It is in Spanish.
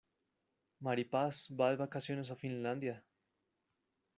Mari Paz va de vacaciones a Finlandia.